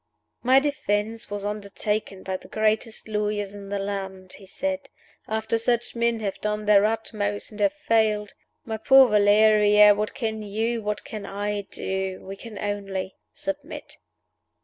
"My defense was undertaken by the greatest lawyers in the land," he said. "After such men have done their utmost, and have failed my poor Valeria, what can you, what can I, do? We can only submit."